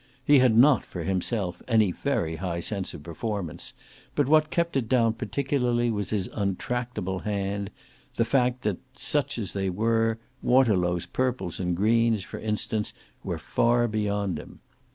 He had not, for himself, any very high sense of performance, but what kept it down particularly was his untractable hand, the fact that, such as they were, Waterlow's purples and greens, for instance, were far beyond him.